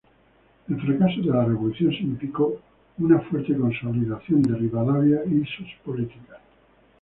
El fracaso de la revolución significó una fuerte consolidación de Rivadavia y sus políticas.